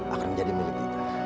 akan menjadi milik kita